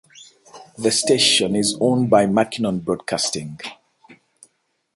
The station is owned by McKinnon Broadcasting.